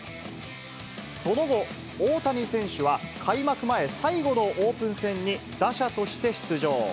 その後、大谷選手は開幕前最後のオープン戦に打者として出場。